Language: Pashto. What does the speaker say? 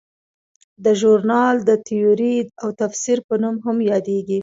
دا ژورنال د تیورۍ او تفسیر په نوم هم یادیږي.